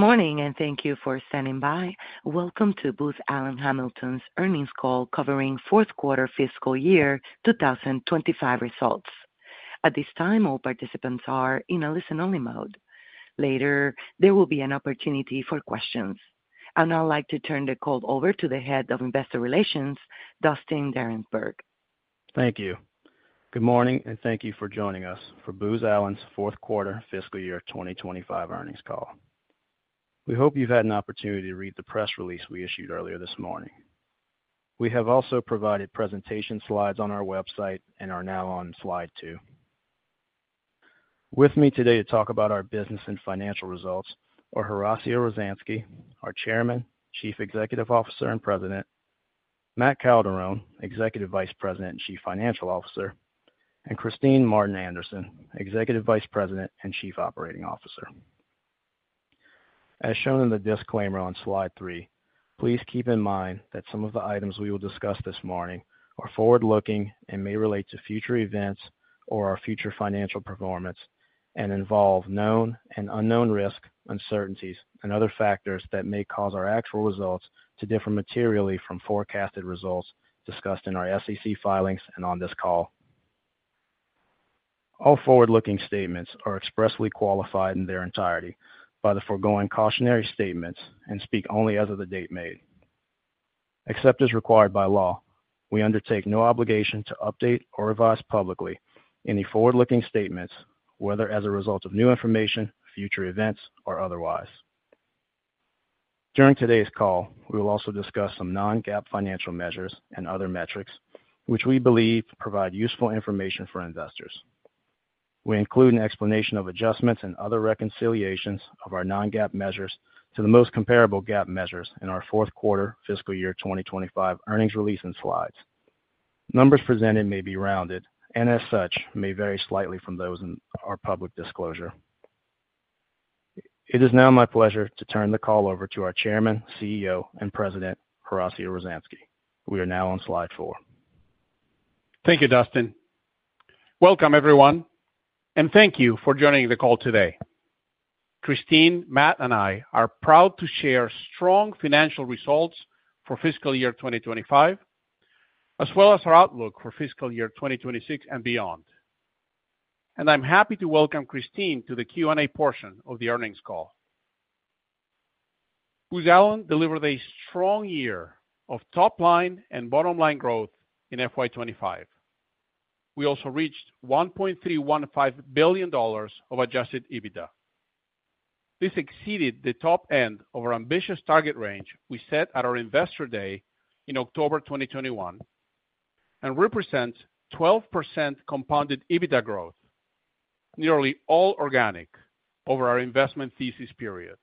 Good morning, and thank you for standing by. Welcome to Booz Allen Hamilton's earnings call covering fourth quarter fiscal year 2025 results. At this time, all participants are in a listen-only mode. Later, there will be an opportunity for questions, and I'd like to turn the call over to the Head of Investor Relations, Dustin Darensbourg. Thank you. Good morning, and thank you for joining us for Booz Allen's fourth quarter fiscal year 2025 earnings call. We hope you've had an opportunity to read the press release we issued earlier this morning. We have also provided presentation slides on our website and are now on slide two. With me today to talk about our business and financial results are Horacio Rozanski, our Chairman, Chief Executive Officer, and President; Matt Calderone, Executive Vice President and Chief Financial Officer; and Kristine Martin Anderson, Executive Vice President and Chief Operating Officer. As shown in the disclaimer on slide three, please keep in mind that some of the items we will discuss this morning are forward-looking and may relate to future events or our future financial performance and involve known and unknown risk, uncertainties, and other factors that may cause our actual results to differ materially from forecasted results discussed in our SEC filings and on this call. All forward-looking statements are expressly qualified in their entirety by the foregoing cautionary statements and speak only as of the date made. Except as required by law, we undertake no obligation to update or revise publicly any forward-looking statements, whether as a result of new information, future events, or otherwise. During today's call, we will also discuss some non-GAAP financial measures and other metrics which we believe provide useful information for investors. We include an explanation of adjustments and other reconciliations of our non-GAAP measures to the most comparable GAAP measures in our fourth quarter fiscal year 2025 earnings release and slides. Numbers presented may be rounded and, as such, may vary slightly from those in our public disclosure. It is now my pleasure to turn the call over to our Chairman, CEO, and President Horacio Rozanski. We are now on slide four. Thank you, Dustin. Welcome, everyone, and thank you for joining the call today. Kristine, Matt, and I are proud to share strong financial results for fiscal year 2025, as well as our outlook for fiscal year 2026 and beyond. I am happy to welcome Kristine to the Q&A portion of the earnings call. Booz Allen delivered a strong year of top-line and bottom-line growth in FY 2025. We also reached $1.315 billion of adjusted EBITDA. This exceeded the top end of our ambitious target range we set at our investor day in October 2021 and represents 12% compounded EBITDA growth, nearly all organic, over our investment thesis period.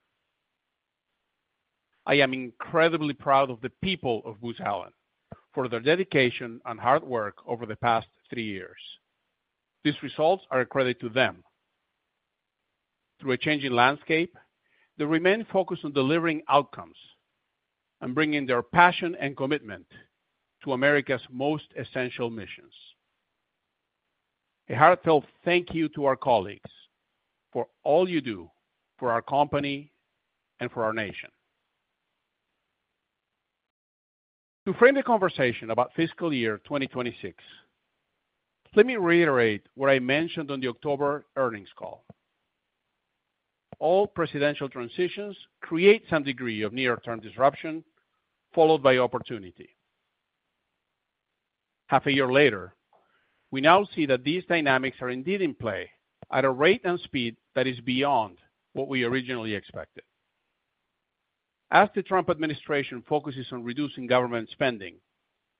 I am incredibly proud of the people of Booz Allen for their dedication and hard work over the past three years. These results are a credit to them. Through a changing landscape, they remain focused on delivering outcomes and bringing their passion and commitment to America's most essential missions. A heartfelt thank you to our colleagues for all you do for our company and for our nation. To frame the conversation about fiscal year 2026, let me reiterate what I mentioned on the October earnings call. All presidential transitions create some degree of near-term disruption followed by opportunity. Half a year later, we now see that these dynamics are indeed in play at a rate and speed that is beyond what we originally expected. As the Trump administration focuses on reducing government spending,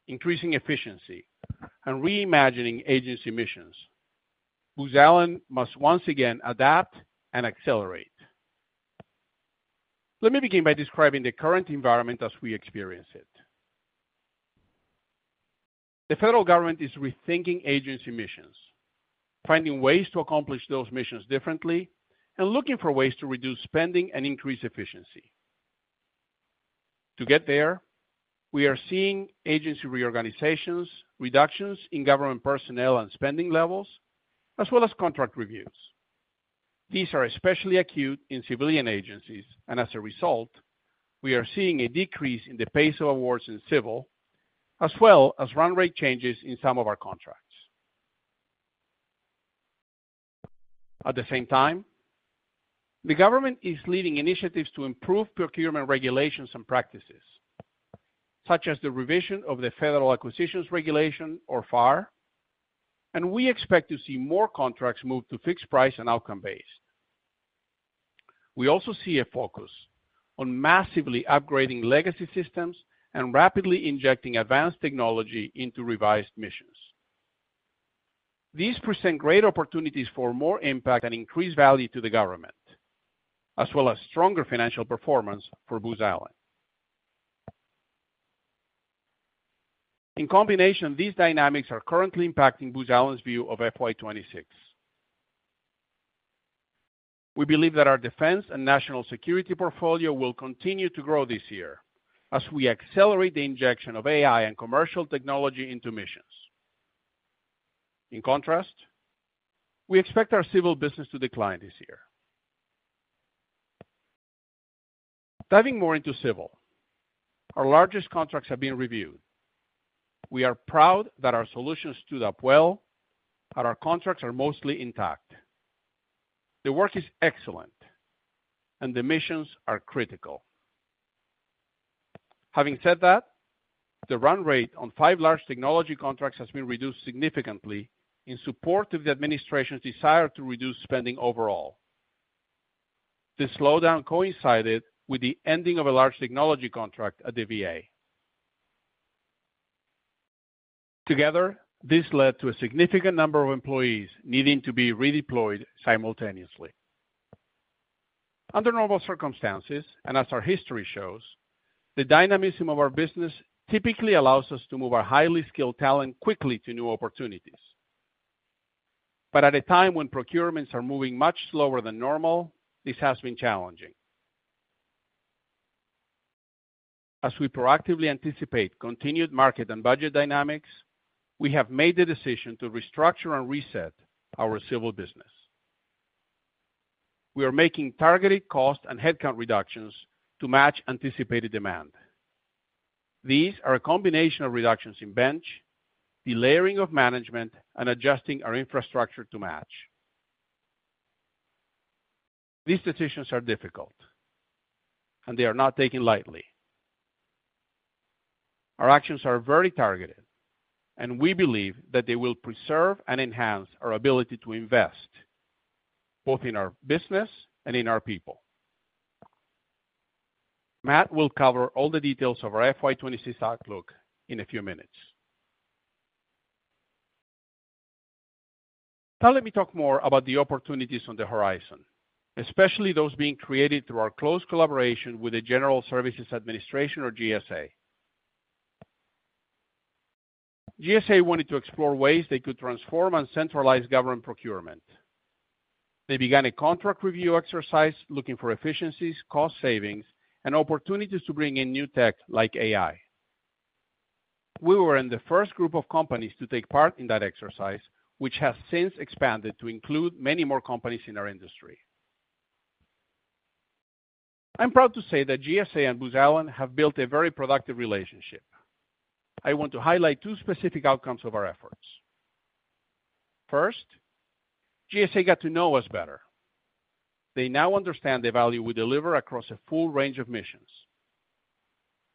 increasing efficiency, and reimagining agency missions, Booz Allen must once again adapt and accelerate. Let me begin by describing the current environment as we experience it. The federal government is rethinking agency missions, finding ways to accomplish those missions differently, and looking for ways to reduce spending and increase efficiency. To get there, we are seeing agency reorganizations, reductions in government personnel and spending levels, as well as contract reviews. These are especially acute in civilian agencies, and as a result, we are seeing a decrease in the pace of awards in civil, as well as run rate changes in some of our contracts. At the same time, the government is leading initiatives to improve procurement regulations and practices, such as the revision of the Federal Acquisition Regulation, or FAR, and we expect to see more contracts moved to fixed price and outcome-based. We also see a focus on massively upgrading legacy systems and rapidly injecting advanced technology into revised missions. These present great opportunities for more impact and increased value to the government, as well as stronger financial performance for Booz Allen. In combination, these dynamics are currently impacting Booz Allen's view of FY 2026. We believe that our defense and national security portfolio will continue to grow this year as we accelerate the injection of AI and commercial technology into missions. In contrast, we expect our civil business to decline this year. Diving more into civil, our largest contracts have been reviewed. We are proud that our solutions stood up well, that our contracts are mostly intact. The work is excellent, and the missions are critical. Having said that, the run rate on five large technology contracts has been reduced significantly in support of the administration's desire to reduce spending overall. The slowdown coincided with the ending of a large technology contract at the VA. Together, this led to a significant number of employees needing to be redeployed simultaneously. Under normal circumstances, and as our history shows, the dynamism of our business typically allows us to move our highly skilled talent quickly to new opportunities. At a time when procurements are moving much slower than normal, this has been challenging. As we proactively anticipate continued market and budget dynamics, we have made the decision to restructure and reset our civil business. We are making targeted cost and headcount reductions to match anticipated demand. These are a combination of reductions in bench, delaying of management, and adjusting our infrastructure to match. These decisions are difficult, and they are not taken lightly. Our actions are very targeted, and we believe that they will preserve and enhance our ability to invest, both in our business and in our people. Matt will cover all the details of our FY 2026 outlook in a few minutes. Now let me talk more about the opportunities on the horizon, especially those being created through our close collaboration with the General Services Administration, or GSA. GSA wanted to explore ways they could transform and centralize government procurement. They began a contract review exercise looking for efficiencies, cost savings, and opportunities to bring in new tech like AI. We were in the first group of companies to take part in that exercise, which has since expanded to include many more companies in our industry. I'm proud to say that GSA and Booz Allen have built a very productive relationship. I want to highlight two specific outcomes of our efforts. First, GSA got to know us better. They now understand the value we deliver across a full range of missions.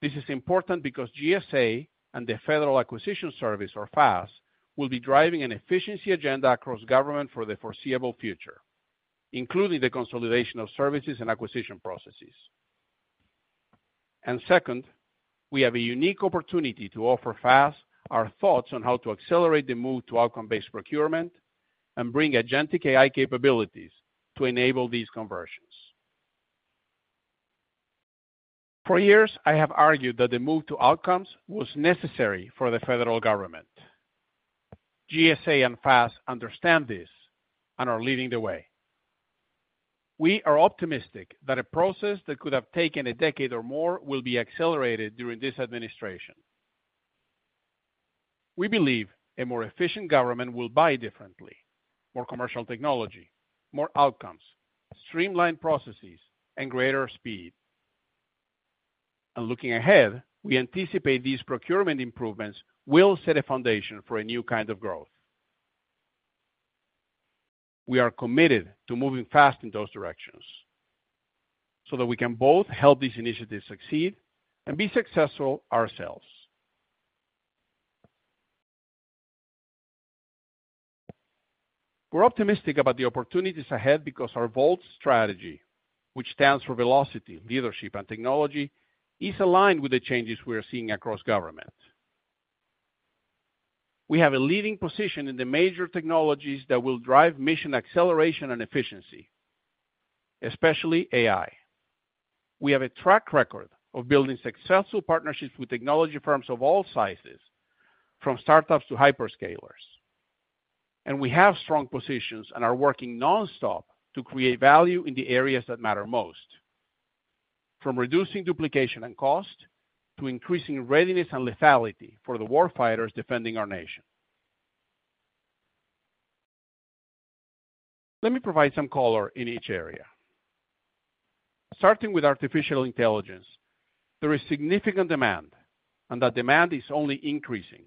This is important because GSA and the Federal Acquisitions Service, or FAS, will be driving an efficiency agenda across government for the foreseeable future, including the consolidation of services and acquisition processes. Second, we have a unique opportunity to offer FAS our thoughts on how to accelerate the move to outcome-based procurement and bring agentic AI capabilities to enable these conversions. For years, I have argued that the move to outcomes was necessary for the federal government. GSA and FAS understand this and are leading the way. We are optimistic that a process that could have taken a decade or more will be accelerated during this administration. We believe a more efficient government will buy differently, more commercial technology, more outcomes, streamlined processes, and greater speed. Looking ahead, we anticipate these procurement improvements will set a foundation for a new kind of growth. We are committed to moving fast in those directions so that we can both help these initiatives succeed and be successful ourselves. We're optimistic about the opportunities ahead because our VOLT strategy, which stands for Velocity, Leadership, and Technology, is aligned with the changes we are seeing across government. We have a leading position in the major technologies that will drive mission acceleration and efficiency, especially AI. We have a track record of building successful partnerships with technology firms of all sizes, from startups to hyperscalers. We have strong positions and are working nonstop to create value in the areas that matter most, from reducing duplication and cost to increasing readiness and lethality for the warfighters defending our nation. Let me provide some color in each area. Starting with artificial intelligence, there is significant demand, and that demand is only increasing.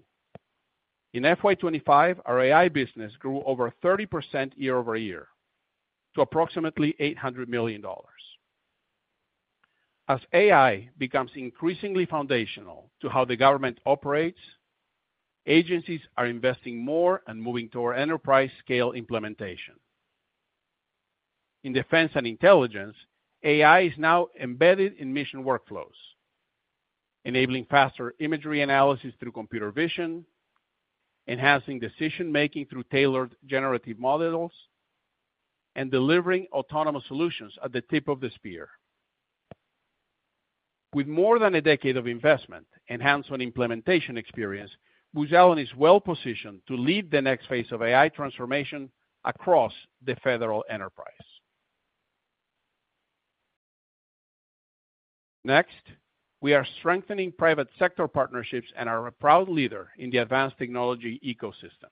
In FY 2025, our AI business grew over 30% year over year to approximately $800 million. As AI becomes increasingly foundational to how the government operates, agencies are investing more and moving toward enterprise-scale implementation. In defense and intelligence, AI is now embedded in mission workflows, enabling faster imagery analysis through computer vision, enhancing decision-making through tailored generative models, and delivering autonomous solutions at the tip of the spear. With more than a decade of investment, enhanced on implementation experience, Booz Allen is well-positioned to lead the next phase of AI transformation across the federal enterprise. Next, we are strengthening private sector partnerships and are a proud leader in the advanced technology ecosystem.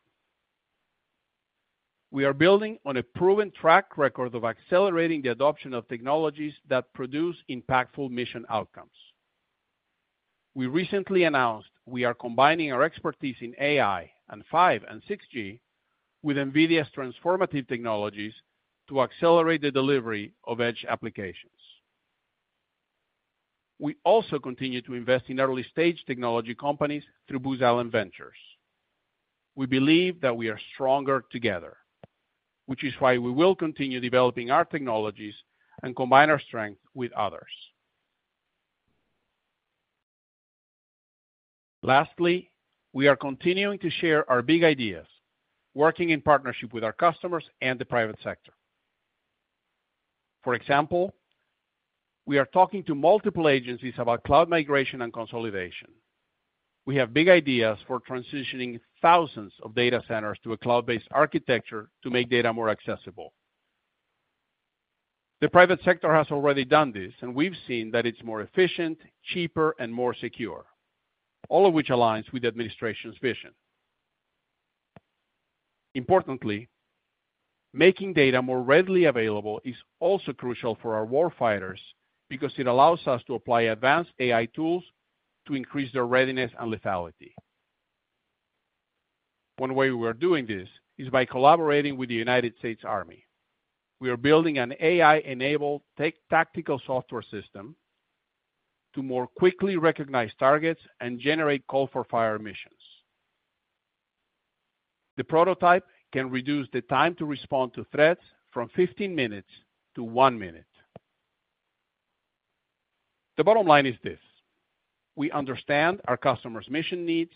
We are building on a proven track record of accelerating the adoption of technologies that produce impactful mission outcomes. We recently announced we are combining our expertise in AI and 5G and 6G with NVIDIA's transformative technologies to accelerate the delivery of edge applications. We also continue to invest in early-stage technology companies through Booz Allen Ventures. We believe that we are stronger together, which is why we will continue developing our technologies and combine our strength with others. Lastly, we are continuing to share our big ideas, working in partnership with our customers and the private sector. For example, we are talking to multiple agencies about cloud migration and consolidation. We have big ideas for transitioning thousands of data centers to a cloud-based architecture to make data more accessible. The private sector has already done this, and we've seen that it's more efficient, cheaper, and more secure, all of which aligns with the administration's vision. Importantly, making data more readily available is also crucial for our warfighters because it allows us to apply advanced AI tools to increase their readiness and lethality. One way we are doing this is by collaborating with the United States Army. We are building an AI-enabled tactical software system to more quickly recognize targets and generate call-for-fire missions. The prototype can reduce the time to respond to threats from 15 minutes to 1 minute. The bottom line is this: we understand our customers' mission needs,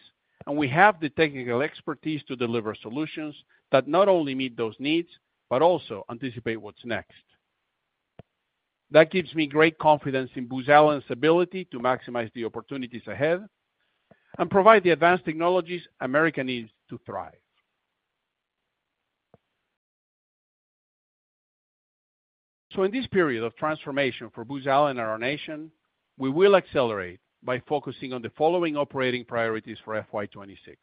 and we have the technical expertise to deliver solutions that not only meet those needs but also anticipate what's next. That gives me great confidence in Booz Allen's ability to maximize the opportunities ahead and provide the advanced technologies America needs to thrive. In this period of transformation for Booz Allen and our nation, we will accelerate by focusing on the following operating priorities for FY 2026.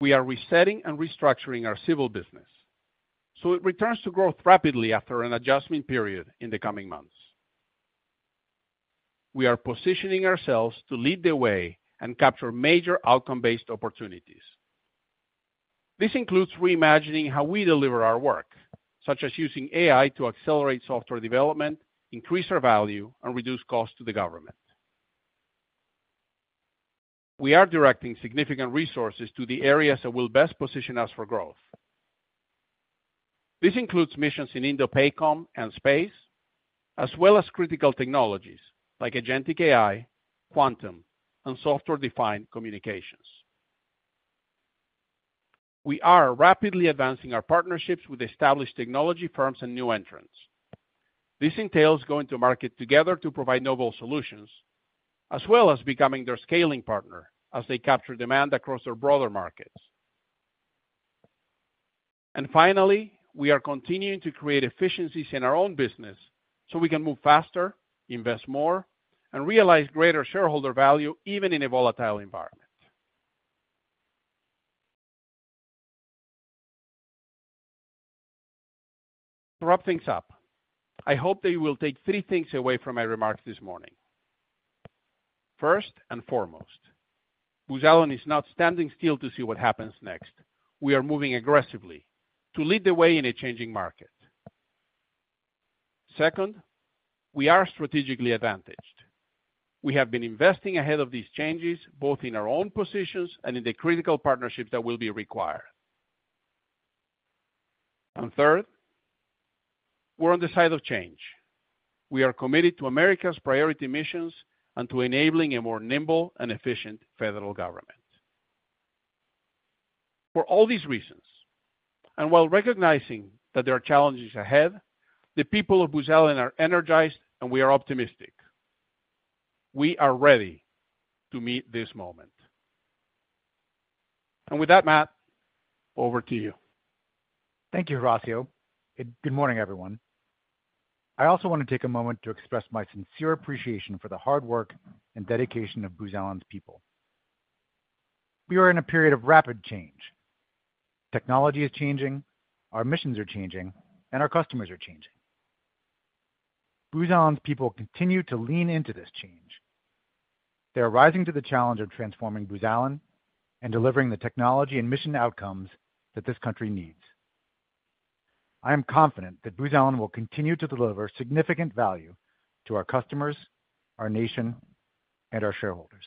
We are resetting and restructuring our civil business, so it returns to growth rapidly after an adjustment period in the coming months. We are positioning ourselves to lead the way and capture major outcome-based opportunities. This includes reimagining how we deliver our work, such as using AI to accelerate software development, increase our value, and reduce costs to the government. We are directing significant resources to the areas that will best position us for growth. This includes missions in Indo-Pacific and space, as well as critical technologies like agentic AI, quantum, and software-defined communications. We are rapidly advancing our partnerships with established technology firms and new entrants. This entails going to market together to provide novel solutions, as well as becoming their scaling partner as they capture demand across their broader markets. Finally, we are continuing to create efficiencies in our own business so we can move faster, invest more, and realize greater shareholder value even in a volatile environment. To wrap things up, I hope that you will take three things away from my remarks this morning. First and foremost, Booz Allen is not standing still to see what happens next. We are moving aggressively to lead the way in a changing market. Second, we are strategically advantaged. We have been investing ahead of these changes, both in our own positions and in the critical partnerships that will be required. Third, we're on the side of change. We are committed to America's priority missions and to enabling a more nimble and efficient federal government. For all these reasons, while recognizing that there are challenges ahead, the people of Booz Allen are energized, and we are optimistic. We are ready to meet this moment. With that, Matt, over to you. Thank you, Horacio. Good morning, everyone. I also want to take a moment to express my sincere appreciation for the hard work and dedication of Booz Allen's people. We are in a period of rapid change. Technology is changing, our missions are changing, and our customers are changing. Booz Allen's people continue to lean into this change. They are rising to the challenge of transforming Booz Allen and delivering the technology and mission outcomes that this country needs. I am confident that Booz Allen will continue to deliver significant value to our customers, our nation, and our shareholders.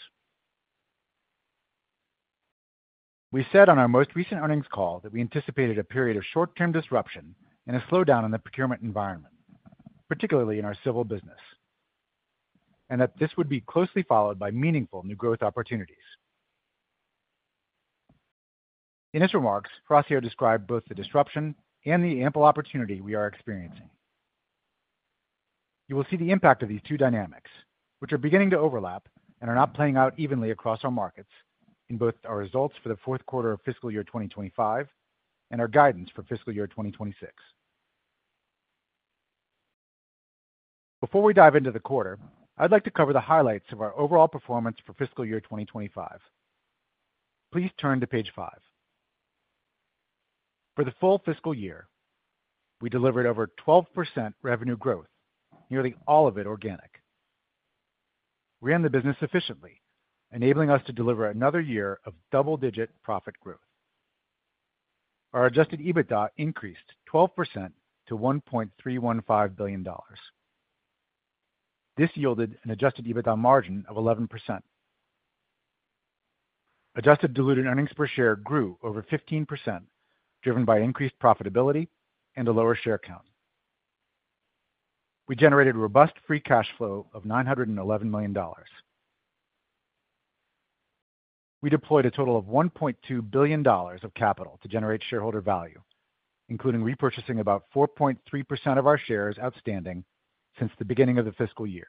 We said on our most recent earnings call that we anticipated a period of short-term disruption and a slowdown in the procurement environment, particularly in our civil business, and that this would be closely followed by meaningful new growth opportunities. In his remarks, Horacio described both the disruption and the ample opportunity we are experiencing. You will see the impact of these two dynamics, which are beginning to overlap and are not playing out evenly across our markets in both our results for the fourth quarter of fiscal year 2025 and our guidance for fiscal year 2026. Before we dive into the quarter, I'd like to cover the highlights of our overall performance for fiscal year 2025. Please turn to page five. For the full fiscal year, we delivered over 12% revenue growth, nearly all of it organic. We ran the business efficiently, enabling us to deliver another year of double-digit profit growth. Our adjusted EBITDA increased 12% to $1.315 billion. This yielded an adjusted EBITDA margin of 11%. Adjusted diluted earnings per share grew over 15%, driven by increased profitability and a lower share count. We generated robust free cash flow of $911 million. We deployed a total of $1.2 billion of capital to generate shareholder value, including repurchasing about 4.3% of our shares outstanding since the beginning of the fiscal year.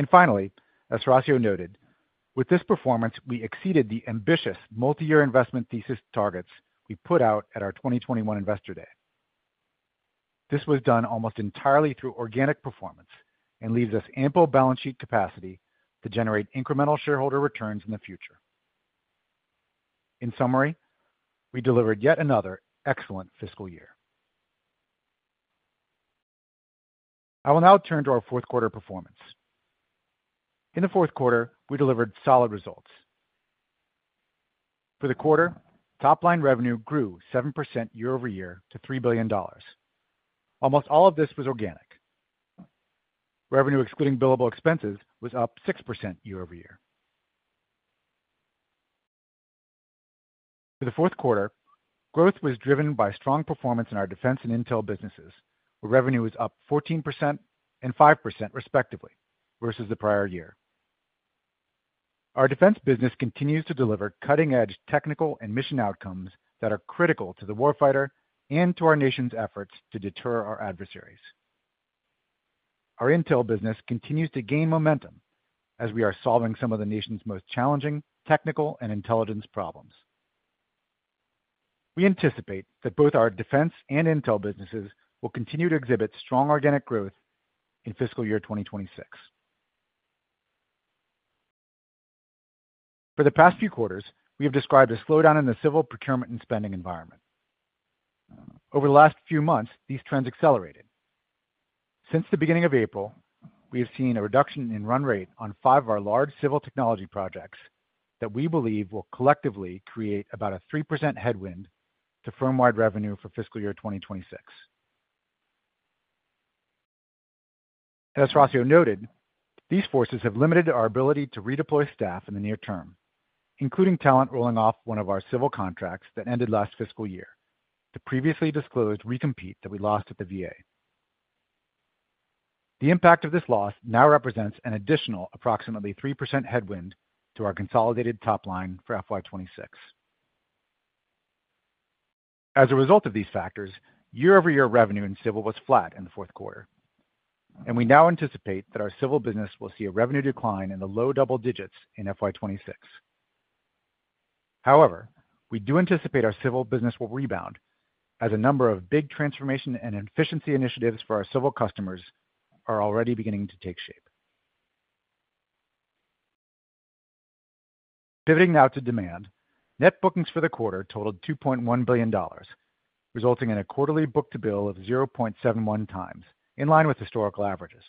We did this while maintaining a net debt-to-adjusted EBITDA ratio of 2.4x. Finally, as Horacio noted, with this performance, we exceeded the ambitious multi-year investment thesis targets we put out at our 2021 Investor Day. This was done almost entirely through organic performance and leaves us ample balance sheet capacity to generate incremental shareholder returns in the future. In summary, we delivered yet another excellent fiscal year. I will now turn to our fourth quarter performance. In the fourth quarter, we delivered solid results. For the quarter, top-line revenue grew 7% year over year to $3 billion. Almost all of this was organic. Revenue, excluding billable expenses, was up 6% year over year. For the fourth quarter, growth was driven by strong performance in our defense and intel businesses, where revenue was up 14% and 5% respectively versus the prior year. Our defense business continues to deliver cutting-edge technical and mission outcomes that are critical to the warfighter and to our nation's efforts to deter our adversaries. Our intel business continues to gain momentum as we are solving some of the nation's most challenging technical and intelligence problems. We anticipate that both our defense and intel businesses will continue to exhibit strong organic growth in fiscal year 2026. For the past few quarters, we have described a slowdown in the civil procurement and spending environment. Over the last few months, these trends accelerated. Since the beginning of April, we have seen a reduction in run rate on five of our large civil technology projects that we believe will collectively create about a 3% headwind to firm-wide revenue for fiscal year 2026. As Horacio noted, these forces have limited our ability to redeploy staff in the near term, including talent rolling off one of our civil contracts that ended last fiscal year, the previously disclosed recompete that we lost at the VA. The impact of this loss now represents an additional approximately 3% headwind to our consolidated top line for FY 2026. As a result of these factors, year-over-year revenue in civil was flat in the fourth quarter, and we now anticipate that our civil business will see a revenue decline in the low double digits in fiscal year 2026. However, we do anticipate our civil business will rebound as a number of big transformation and efficiency initiatives for our civil customers are already beginning to take shape. Pivoting now to demand, net bookings for the quarter totaled $2.1 billion, resulting in a quarterly Book-to-bill of 0.71x, in line with historical averages.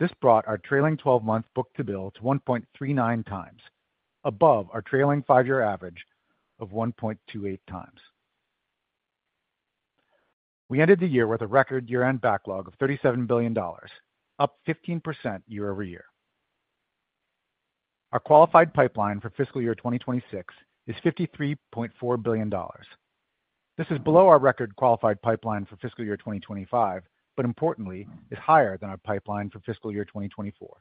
This brought our trailing 12-month Book-to-bill to 1.39x, above our trailing five-year average of 1.28x. We ended the year with a record year-end backlog of $37 billion, up 15% year over year. Our qualified pipeline for fiscal year 2026 is $53.4 billion. This is below our record qualified pipeline for fiscal year 2025, but importantly, is higher than our pipeline for fiscal year 2024.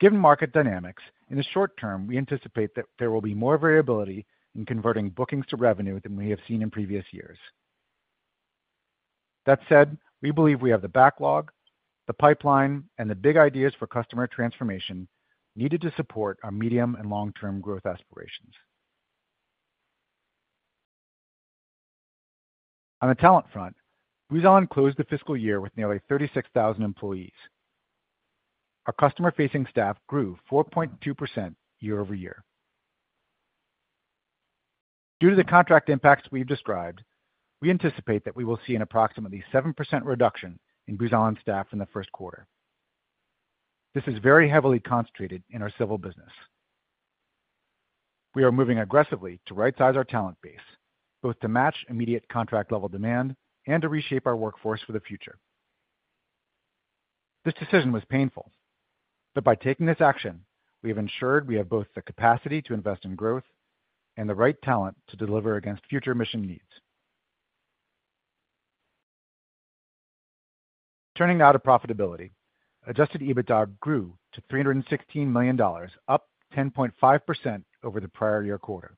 Given market dynamics, in the short term, we anticipate that there will be more variability in converting bookings to revenue than we have seen in previous years. That said, we believe we have the backlog, the pipeline, and the big ideas for customer transformation needed to support our medium and long-term growth aspirations. On the talent front, Booz Allen closed the fiscal year with nearly 36,000 employees. Our customer-facing staff grew 4.2% year over year. Due to the contract impacts we've described, we anticipate that we will see an approximately 7% reduction in Booz Allen staff in the first quarter. This is very heavily concentrated in our civil business. We are moving aggressively to right-size our talent base, both to match immediate contract-level demand and to reshape our workforce for the future. This decision was painful, but by taking this action, we have ensured we have both the capacity to invest in growth and the right talent to deliver against future mission needs. Turning now to profitability, adjusted EBITDA grew to $316 million, up 10.5% over the prior year quarter.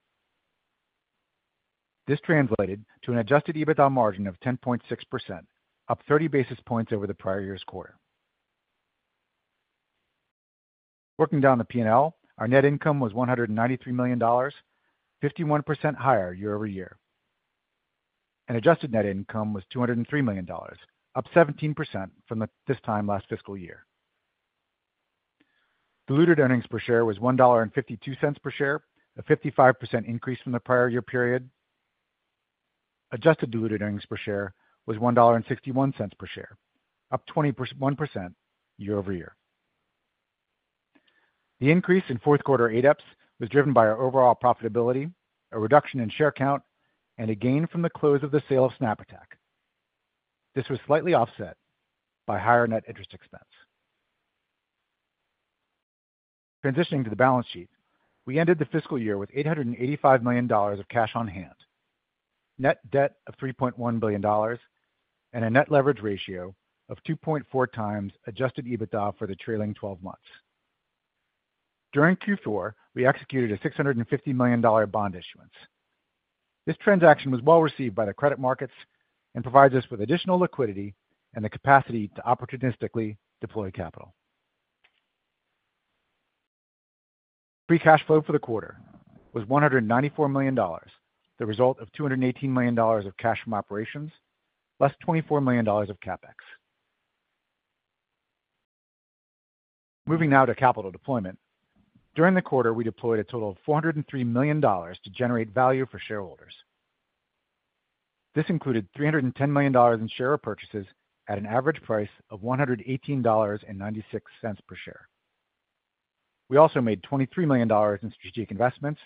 This translated to an adjusted EBITDA margin of 10.6%, up 30 basis points over the prior year's quarter. Working down the P&L, our net income was $193 million, 51% higher year over year. Adjusted net income was $203 million, up 17% from this time last fiscal year. Diluted earnings per share was $1.52 per share, a 55% increase from the prior year period. Adjusted diluted earnings per share was $1.61 per share, up 21% year over year. The increase in fourth quarter ADEPS was driven by our overall profitability, a reduction in share count, and a gain from the close of the sale of SnapAttack. This was slightly offset by higher net interest expense. Transitioning to the balance sheet, we ended the fiscal year with $885 million of cash on hand, net debt of $3.1 billion, and a net leverage ratio of 2.4x adjusted EBITDA for the trailing 12 months. During Q4, we executed a $650 million bond issuance. This transaction was well received by the credit markets and provides us with additional liquidity and the capacity to opportunistically deploy capital. Our free cash flow for the quarter was $194 million, the result of $218 million of cash from operations, less $24 million of CapEx. Moving now to capital deployment, during the quarter, we deployed a total of $403 million to generate value for shareholders. This included $310 million in share purchases at an average price of $118.96 per share. We also made $23 million in strategic investments,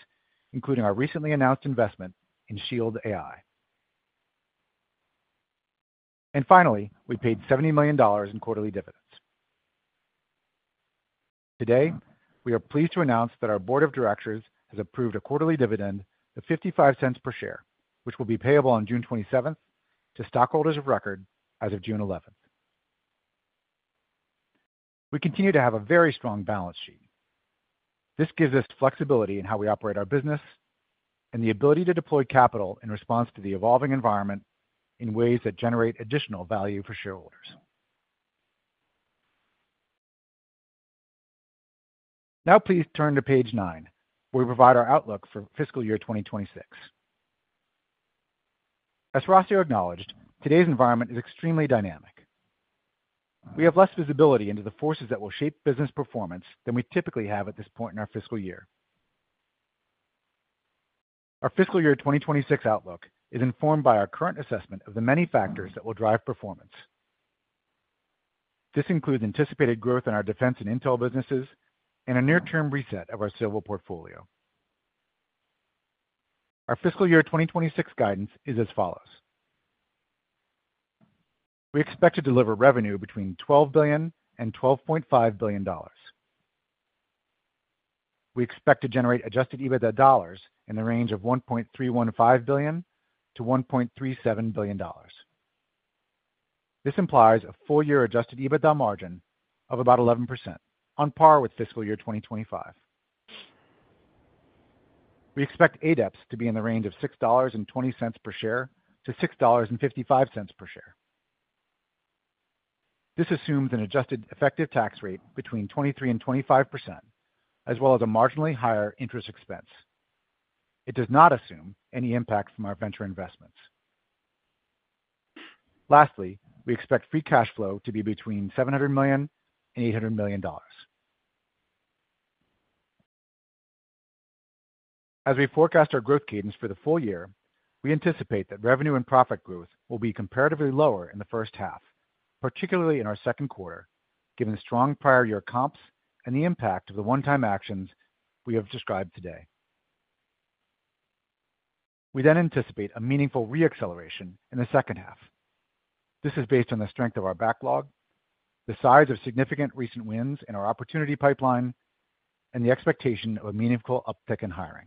including our recently announced investment in Shield AI. Finally, we paid $70 million in quarterly dividends. Today, we are pleased to announce that our board of directors has approved a quarterly dividend of $0.55 per share, which will be payable on June 27 to stockholders of record as of June 11. We continue to have a very strong balance sheet. This gives us flexibility in how we operate our business and the ability to deploy capital in response to the evolving environment in ways that generate additional value for shareholders. Now, please turn to page nine, where we provide our outlook for fiscal year 2026. As Horacio acknowledged, today's environment is extremely dynamic. We have less visibility into the forces that will shape business performance than we typically have at this point in our fiscal year. Our fiscal year 2026 outlook is informed by our current assessment of the many factors that will drive performance. This includes anticipated growth in our defense and intel businesses and a near-term reset of our civil portfolio. Our fiscal year 2026 guidance is as follows. We expect to deliver revenue between $12 billion-$12.5 billion. We expect to generate adjusted EBITDA in the range of $1.315 billion-$1.37 billion. This implies a four-year adjusted EBITDA margin of about 11%, on par with fiscal year 2025. We expect ADEPS to be in the range of $6.20 per share-$6.55 per share. This assumes an adjusted effective tax rate between 23%-25%, as well as a marginally higher interest expense. It does not assume any impact from our venture investments. Lastly, we expect free cash flow to be between $700 million-$800 million. As we forecast our growth cadence for the full year, we anticipate that revenue and profit growth will be comparatively lower in the first half, particularly in our second quarter, given strong prior year comps and the impact of the one-time actions we have described today. We then anticipate a meaningful re-acceleration in the second half. This is based on the strength of our backlog, the size of significant recent wins in our opportunity pipeline, and the expectation of a meaningful uptick in hiring.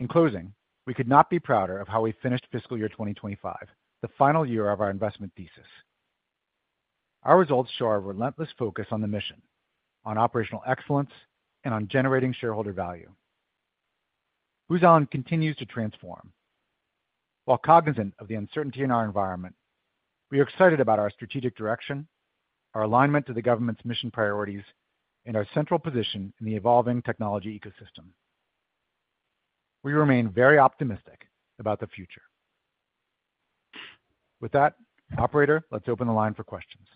In closing, we could not be prouder of how we finished fiscal year 2025, the final year of our investment thesis. Our results show our relentless focus on the mission, on operational excellence, and on generating shareholder value. Booz Allen continues to transform. While cognizant of the uncertainty in our environment, we are excited about our strategic direction, our alignment to the government's mission priorities, and our central position in the evolving technology ecosystem. We remain very optimistic about the future. With that, operator, let's open the line for questions.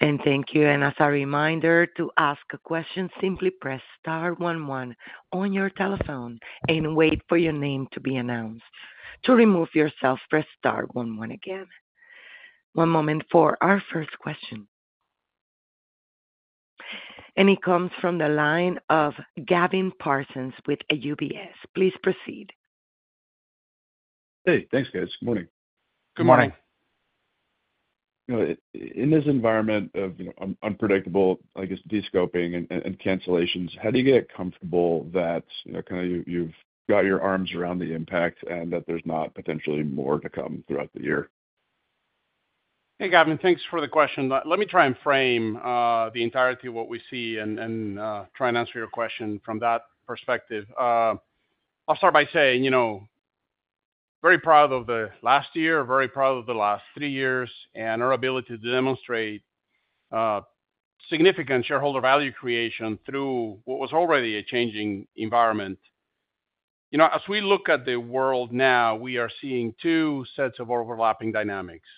Thank you. As a reminder, to ask a question, simply press star one one on your telephone and wait for your name to be announced. To remove yourself, press star one one again. One moment for our first question. It comes from the line of Gavin Parsons with UBS. Please proceed. Hey, thanks, guys. Good morning. In this environment of unpredictable, I guess, descoping and cancellations, how do you get comfortable that kind of you've got your arms around the impact and that there's not potentially more to come throughout the year? Hey, Gavin, thanks for the question. Let me try and frame the entirety of what we see and try and answer your question from that perspective. I'll start by saying I'm very proud of the last year, very proud of the last three years, and our ability to demonstrate significant shareholder value creation through what was already a changing environment. As we look at the world now, we are seeing two sets of overlapping dynamics.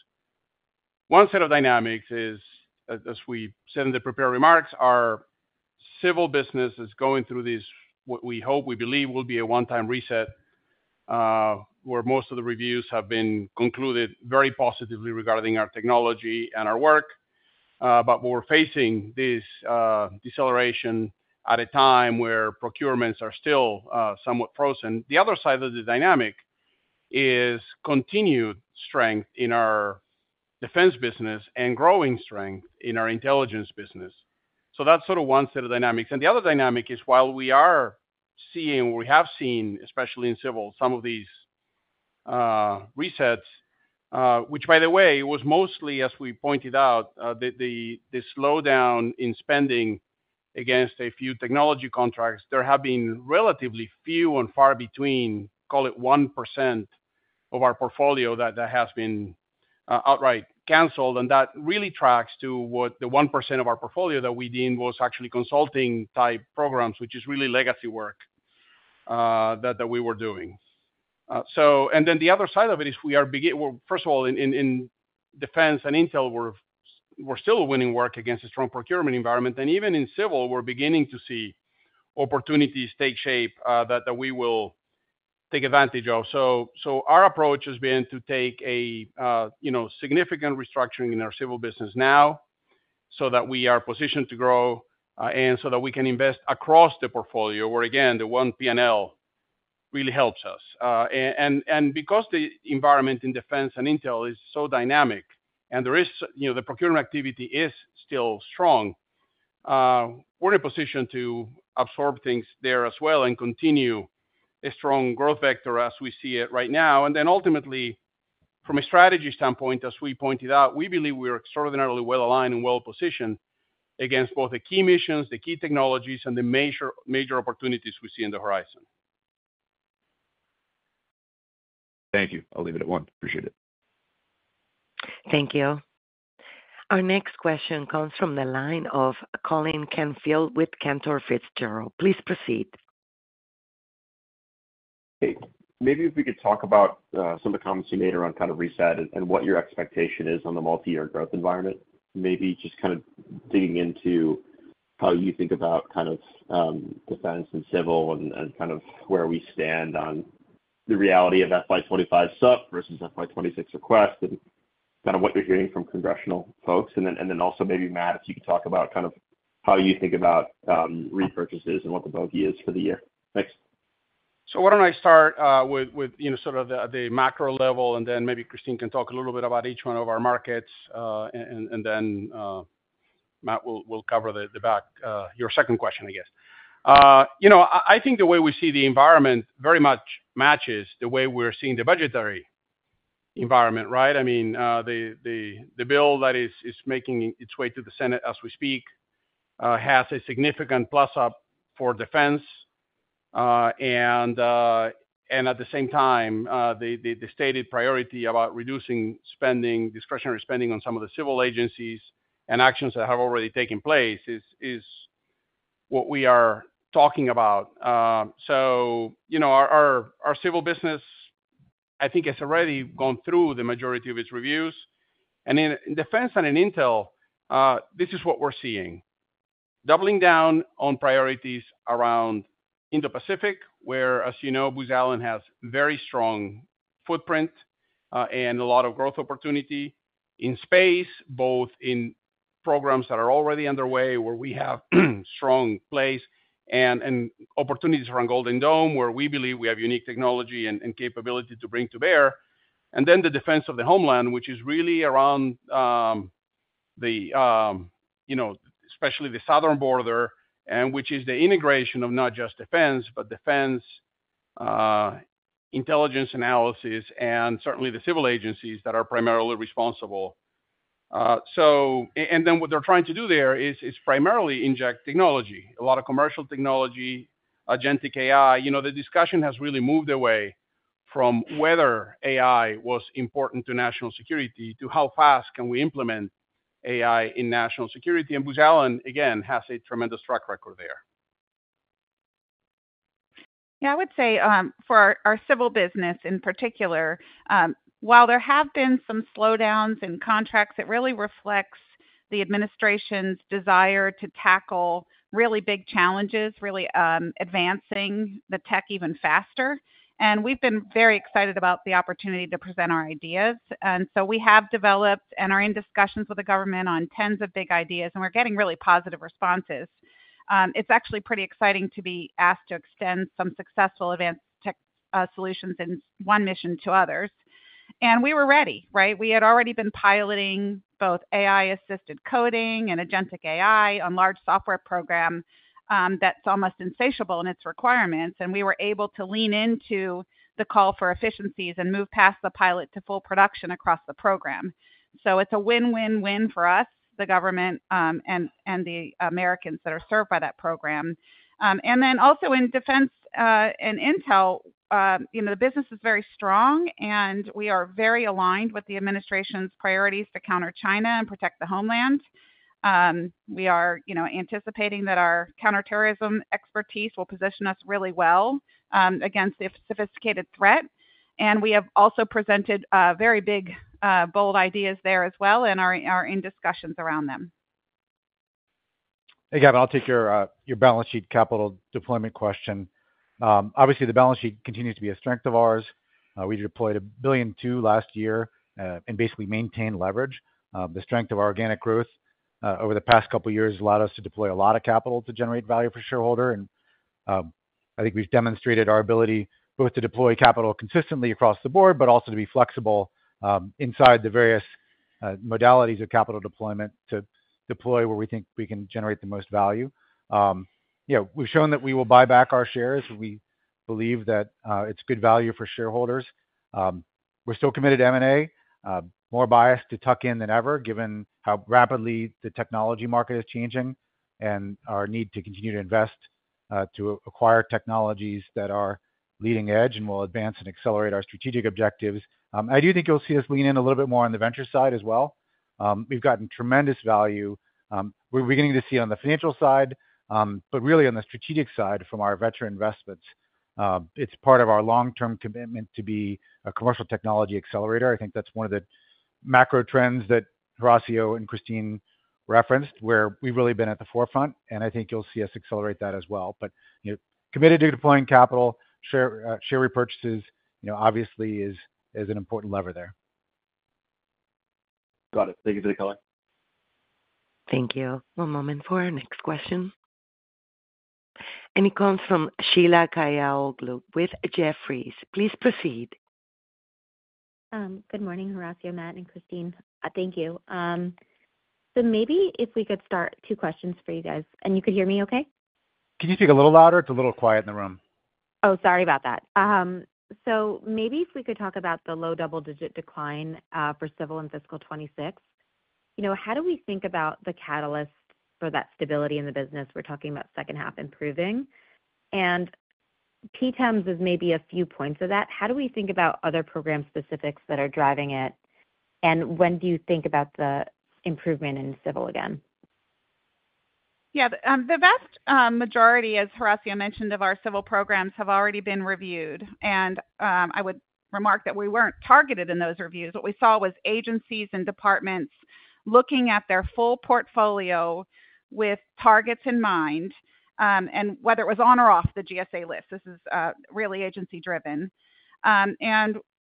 One set of dynamics is, as we said in the prepared remarks, our civil business is going through what we hope, we believe will be a one-time reset, where most of the reviews have been concluded very positively regarding our technology and our work. We are facing this deceleration at a time where procurements are still somewhat frozen. The other side of the dynamic is continued strength in our defense business and growing strength in our intelligence business. That is sort of one set of dynamics. The other dynamic is, while we are seeing, we have seen, especially in civil, some of these resets, which, by the way, was mostly, as we pointed out, the slowdown in spending against a few technology contracts. There have been relatively few and far between, call it 1% of our portfolio that has been outright canceled. That really tracks to what the 1% of our portfolio that we deemed was actually consulting-type programs, which is really legacy work that we were doing. The other side of it is, first of all, in defense and intel, we are still winning work against a strong procurement environment. Even in civil, we're beginning to see opportunities take shape that we will take advantage of. Our approach has been to take a significant restructuring in our civil business now so that we are positioned to grow and so that we can invest across the portfolio, where, again, the one P&L really helps us. Because the environment in defense and intel is so dynamic and the procurement activity is still strong, we're in a position to absorb things there as well and continue a strong growth vector as we see it right now. Ultimately, from a strategy standpoint, as we pointed out, we believe we are extraordinarily well aligned and well positioned against both the key missions, the key technologies, and the major opportunities we see in the horizon. Thank you. I'll leave it at one. Appreciate it. Our next question comes from the line of Colin Canfield with Cantor Fitzgerald. Please proceed. Hey, maybe if we could talk about some of the comments you made around kind of reset and what your expectation is on the multi-year growth environment. Maybe just kind of digging into how you think about kind of defense and civil and kind of where we stand on the reality of FY 2025 SUP versus FY 2026 request and kind of what you're hearing from congressional folks. Also maybe, Matt, if you could talk about kind of how you think about repurchases and what the boogie is for the year. Thanks. Why don't I start with sort of the macro level, and then maybe Kristine can talk a little bit about each one of our markets, and then Matt will cover the back, your second question, I guess. I think the way we see the environment very much matches the way we're seeing the budgetary environment, right? I mean, the bill that is making its way to the Senate as we speak has a significant plus-up for defense. At the same time, the stated priority about reducing discretionary spending on some of the civil agencies and actions that have already taken place is what we are talking about. Our civil business, I think, has already gone through the majority of its reviews. In defense and in intel, this is what we're seeing: doubling down on priorities around Indo-Pacific, where, as you know, Booz Allen has a very strong footprint and a lot of growth opportunity in space, both in programs that are already underway, where we have a strong place, and opportunities around Golden Dome, where we believe we have unique technology and capability to bring to bear. The defense of the homeland, which is really around, especially the southern border, and which is the integration of not just defense, but defense, intelligence analysis, and certainly the civil agencies that are primarily responsible. What they're trying to do there is primarily inject technology, a lot of commercial technology, agentic AI. The discussion has really moved away from whether AI was important to national security to how fast can we implement AI in national security. Booz Allen, again, has a tremendous track record there. I would say for our civil business in particular, while there have been some slowdowns in contracts, it really reflects the administration's desire to tackle really big challenges, really advancing the tech even faster. We have been very excited about the opportunity to present our ideas. We have developed and are in discussions with the government on tens of big ideas, and we're getting really positive responses. It's actually pretty exciting to be asked to extend some successful advanced tech solutions in one mission to others. We were ready, right? We had already been piloting both AI-assisted coding and agentic AI on a large software program that's almost insatiable in its requirements. We were able to lean into the call for efficiencies and move past the pilot to full production across the program. It's a win-win-win for us, the government, and the Americans that are served by that program. Also, in defense and intel, the business is very strong, and we are very aligned with the administration's priorities to counter China and protect the homeland. We are anticipating that our counterterrorism expertise will position us really well against a sophisticated threat. We have also presented very big, bold ideas there as well and are in discussions around them. Hey, Colin, I'll take your balance sheet capital deployment question. Obviously, the balance sheet continues to be a strength of ours. We deployed $1.2 billion last year and basically maintained leverage. The strength of our organic growth over the past couple of years has allowed us to deploy a lot of capital to generate value for shareholders. I think we've demonstrated our ability both to deploy capital consistently across the board, but also to be flexible inside the various modalities of capital deployment to deploy where we think we can generate the most value. We've shown that we will buy back our shares. We believe that it's good value for shareholders. We're still committed to M&A, more biased to tuck in than ever, given how rapidly the technology market is changing and our need to continue to invest to acquire technologies that are leading edge and will advance and accelerate our strategic objectives. I do think you'll see us lean in a little bit more on the venture side as well. We've gotten tremendous value. We're beginning to see it on the financial side, but really on the strategic side from our venture investments. It's part of our long-term commitment to be a commercial technology accelerator. I think that's one of the macro trends that Horacio and Kristine referenced, where we've really been at the forefront. I think you'll see us accelerate that as well. Committed to deploying capital, share repurchases obviously is an important lever there. Got it. Thank you for the color. Thank you. One moment for our next question. It comes from Sheila Kahyaoglu with Jefferies. Please proceed. Good morning, Horacio, Matt, and Kristine. Thank you. Maybe if we could start, two questions for you guys. You could hear me okay? Can you speak a little louder? It's a little quiet in the room. Oh, sorry about that. Maybe if we could talk about the low double-digit decline for civil in fiscal 2026, how do we think about the catalyst for that stability in the business? We're talking about second half improving. PTEMS is maybe a few points of that. How do we think about other program specifics that are driving it? When do you think about the improvement in civil again? Yeah. The vast majority, as Horacio mentioned, of our civil programs have already been reviewed. I would remark that we were not targeted in those reviews. What we saw was agencies and departments looking at their full portfolio with targets in mind and whether it was on or off the GSA list. This is really agency-driven.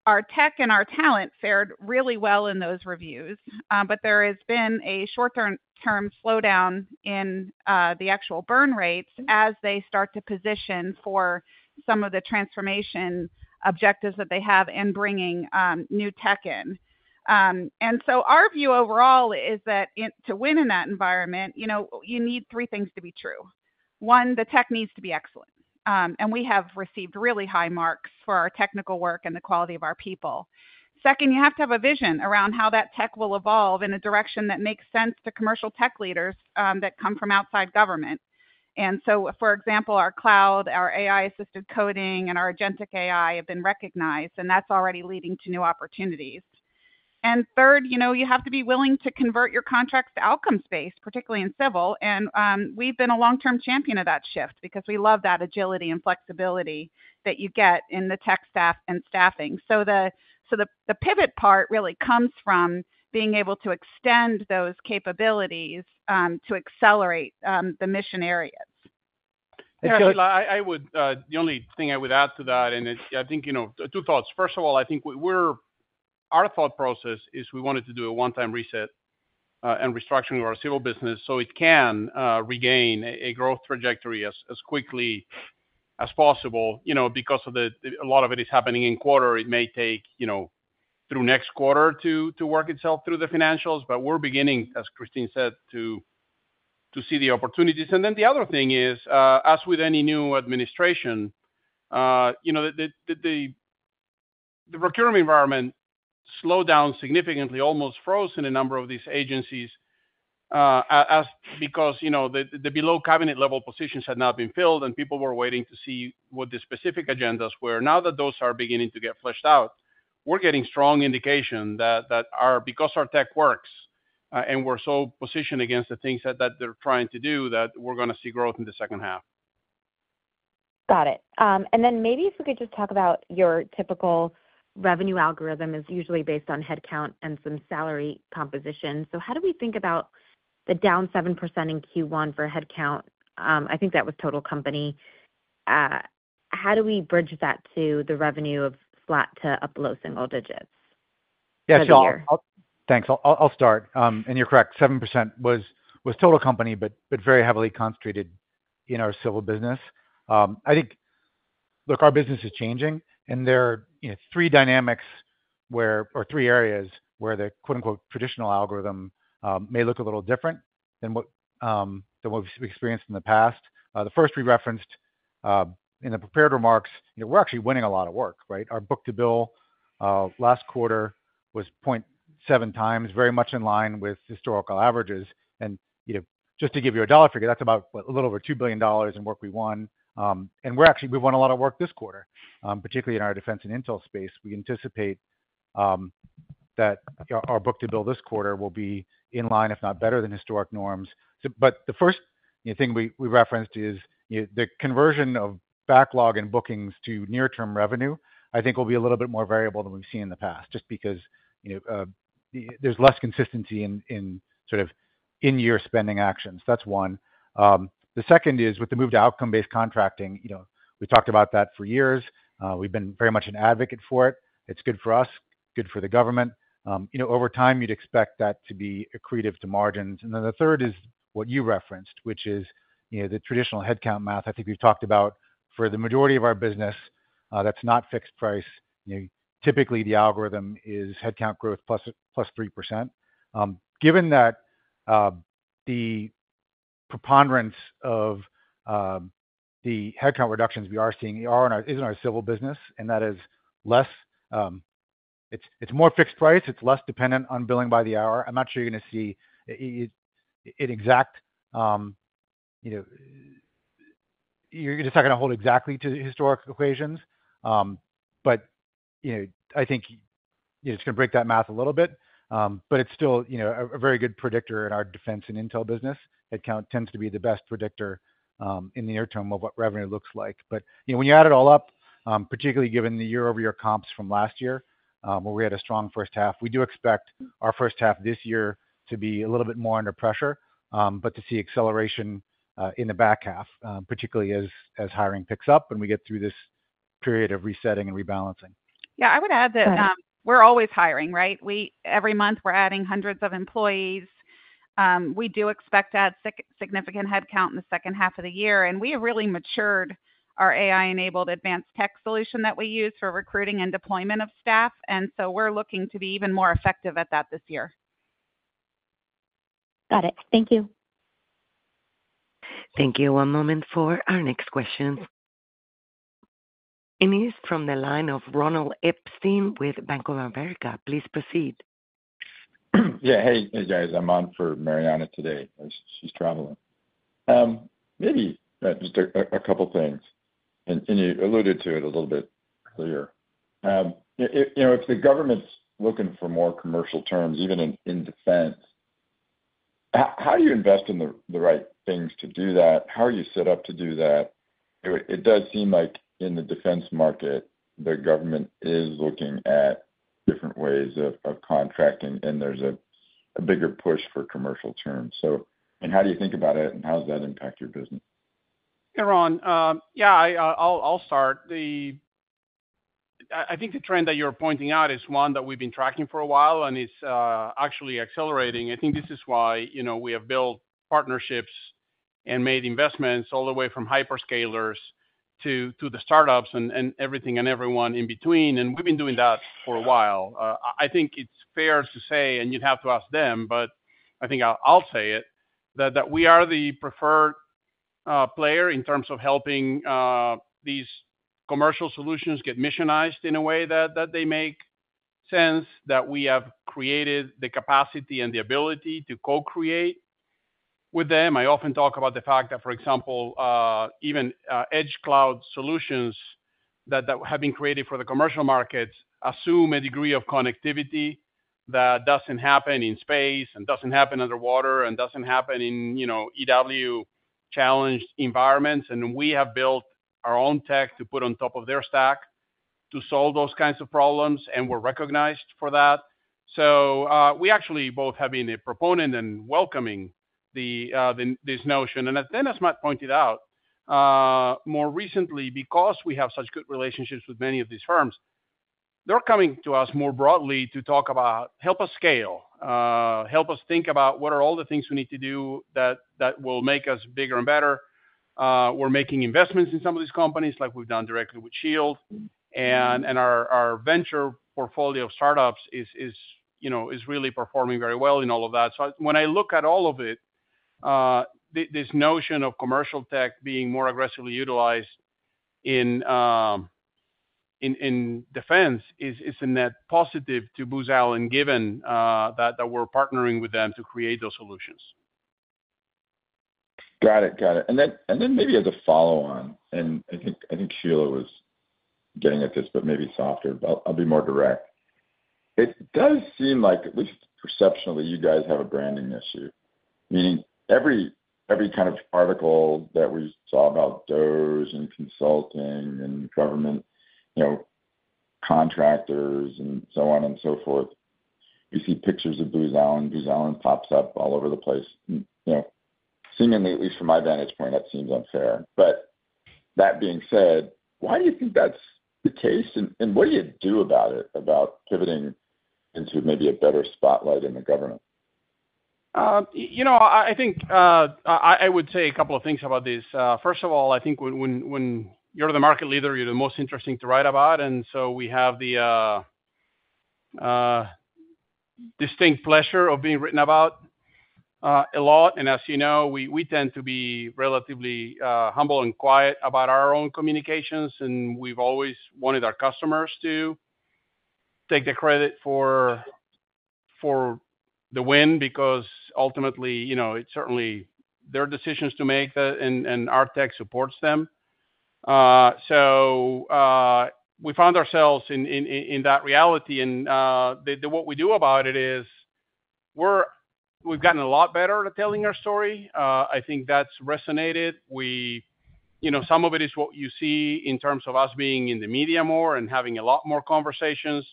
Our tech and our talent fared really well in those reviews. There has been a short-term slowdown in the actual burn rates as they start to position for some of the transformation objectives that they have in bringing new tech in. Our view overall is that to win in that environment, you need three things to be true. One, the tech needs to be excellent. We have received really high marks for our technical work and the quality of our people. Second, you have to have a vision around how that tech will evolve in a direction that makes sense to commercial tech leaders that come from outside government. For example, our cloud, our AI-assisted coding, and our agentic AI have been recognized, and that's already leading to new opportunities. Third, you have to be willing to convert your contracts to outcome-based, particularly in civil. We have been a long-term champion of that shift because we love that agility and flexibility that you get in the tech staff and staffing. The pivot part really comes from being able to extend those capabilities to accelerate the mission areas. Yeah, Sheila, the only thing I would add to that, and I think two thoughts. First of all, I think our thought process is we wanted to do a one-time reset and restructuring of our civil business so it can regain a growth trajectory as quickly as possible. Because a lot of it is happening in quarter, it may take through next quarter to work itself through the financials. We are beginning, as Kristine said, to see the opportunities. The other thing is, as with any new administration, the procurement environment slowed down significantly, almost froze in a number of these agencies because the below cabinet-level positions had not been filled, and people were waiting to see what the specific agendas were. Now that those are beginning to get fleshed out, we are getting strong indications that because our tech works and we are so positioned against the things that they are trying to do, we are going to see growth in the second half. Got it. Maybe if we could just talk about your typical revenue algorithm, it is usually based on headcount and some salary composition. How do we think about the down 7% in Q1 for headcount? I think that was total company. How do we bridge that to the revenue of SLAT to up below single digits? Yeah, Sheila, thanks. I'll start. You're correct. 7% was total company, but very heavily concentrated in our civil business. I think, look, our business is changing, and there are three dynamics or three areas where the "traditional algorithm" may look a little different than what we've experienced in the past. The first we referenced in the prepared remarks, we're actually winning a lot of work, right? Our Book-to-bill last quarter was 0.7x, very much in line with historical averages. Just to give you a dollar figure, that's about a little over $2 billion in work we won. We won a lot of work this quarter, particularly in our defense and intel space. We anticipate that our Book-to-bill this quarter will be in line, if not better, than historic norms. The first thing we referenced is the conversion of backlog and bookings to near-term revenue, which I think will be a little bit more variable than we've seen in the past, just because there's less consistency in sort of in-year spending actions. That's one. The second is with the move to outcome-based contracting, we've talked about that for years. We've been very much an advocate for it. It's good for us, good for the government. Over time, you'd expect that to be accretive to margins. The third is what you referenced, which is the traditional headcount math. I think we've talked about for the majority of our business, that's not fixed price. Typically, the algorithm is headcount growth plus 3%. Given that the preponderance of the headcount reductions we are seeing is in our civil business, and that is less, it's more fixed price. It's less dependent on billing by the hour. I'm not sure you're going to see it exact. You're just not going to hold exactly to historic equations. I think it's going to break that math a little bit. It's still a very good predictor in our defense and intel business. Headcount tends to be the best predictor in the near term of what revenue looks like. When you add it all up, particularly given the year-over-year comps from last year, where we had a strong first half, we do expect our first half this year to be a little bit more under pressure, but to see acceleration in the back half, particularly as hiring picks up and we get through this period of resetting and rebalancing. Yeah, I would add that we're always hiring, right? Every month, we're adding hundreds of employees. We do expect to add significant headcount in the second half of the year. We have really matured our AI-enabled advanced tech solution that we use for recruiting and deployment of staff. We're looking to be even more effective at that this year. Got it. Thank you. Thank you. One moment for our next question. He is from the line of Ronald Epstein with Bank of America. Please proceed. Yeah. Hey, guys. I'm on for Mariana today. She's traveling. Maybe just a couple of things. And you alluded to it a little bit earlier. If the government's looking for more commercial terms, even in defense, how do you invest in the right things to do that? How are you set up to do that? It does seem like in the defense market, the government is looking at different ways of contracting, and there's a bigger push for commercial terms. So how do you think about it, and how does that impact your business? Yeah, Ron, yeah, I'll start. I think the trend that you're pointing out is one that we've been tracking for a while, and it's actually accelerating. I think this is why we have built partnerships and made investments all the way from hyperscalers to the startups and everything and everyone in between. We have been doing that for a while. I think it's fair to say, and you'd have to ask them, but I think I'll say it, that we are the preferred player in terms of helping these commercial solutions get missionized in a way that they make sense, that we have created the capacity and the ability to co-create with them. I often talk about the fact that, for example, even edge cloud solutions that have been created for the commercial markets assume a degree of connectivity that doesn't happen in space and doesn't happen underwater and doesn't happen in EW-challenged environments. We have built our own tech to put on top of their stack to solve those kinds of problems, and we're recognized for that. We actually both have been a proponent and welcoming this notion. As Dennis might point it out, more recently, because we have such good relationships with many of these firms, they're coming to us more broadly to talk about, "Help us scale. Help us think about what are all the things we need to do that will make us bigger and better." We're making investments in some of these companies, like we've done directly with Shield AI. Our venture portfolio of startups is really performing very well in all of that. When I look at all of it, this notion of commercial tech being more aggressively utilized in defense is a net positive to Booz Allen given that we're partnering with them to create those solutions. Got it. Got it. Maybe as a follow-on, and I think Sheila was getting at this, but maybe softer, but I'll be more direct. It does seem like, at least perceptionally, you guys have a branding issue. Meaning every kind of article that we saw about DOGE and consulting and government contractors and so on and so forth, you see pictures of Booz Allen. Booz Allen pops up all over the place. Seemingly, at least from my vantage point, that seems unfair. That being said, why do you think that's the case? What do you do about it, about pivoting into maybe a better spotlight in the government? I think I would say a couple of things about this. First of all, I think when you're the market leader, you're the most interesting to write about. We have the distinct pleasure of being written about a lot. As you know, we tend to be relatively humble and quiet about our own communications. We have always wanted our customers to take the credit for the win because ultimately, it is certainly their decisions to make that, and our tech supports them. We found ourselves in that reality. What we do about it is we have gotten a lot better at telling our story. I think that is resonated. Some of it is what you see in terms of us being in the media more and having a lot more conversations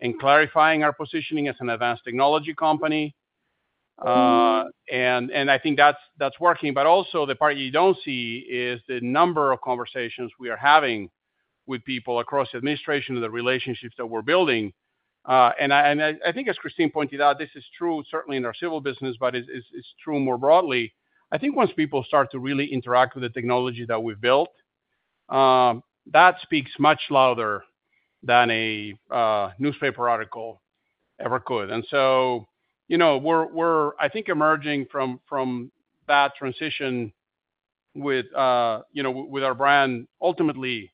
and clarifying our positioning as an advanced technology company. I think that is working. Also, the part you do not see is the number of conversations we are having with people across the administration and the relationships that we are building. I think, as Kristine pointed out, this is true certainly in our civil business, but it is true more broadly. I think once people start to really interact with the technology that we've built, that speaks much louder than a newspaper article ever could. We're, I think, emerging from that transition with our brand ultimately